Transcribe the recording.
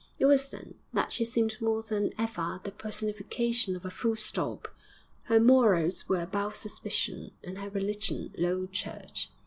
It was then that she seemed more than ever the personification of a full stop. Her morals were above suspicion, and her religion Low Church.